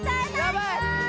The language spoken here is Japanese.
やばい！